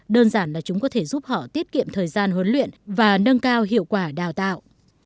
đơn giản là chúng có thể giúp họ tiết kiệm thời gian huấn luyện và nâng cao hiệu quả đào tạo